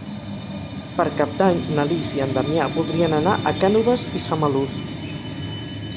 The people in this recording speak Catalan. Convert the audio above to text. Per Cap d'Any na Lis i en Damià voldrien anar a Cànoves i Samalús.